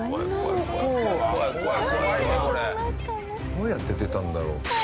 どうやって出たんだろ？